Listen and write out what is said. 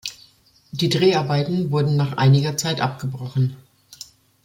Die Dreharbeiten wurden nach einiger Zeit abgebrochen.